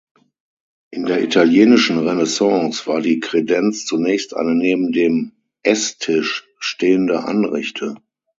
In der italienischen Renaissance war die Kredenz zunächst eine neben dem Esstisch stehende Anrichte.